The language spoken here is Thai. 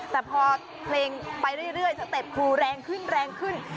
แต่พอเพลงไปเรื่อยสเต็ปครูแรงขึ้นแรงขึ้น